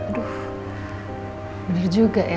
aduh bener juga ya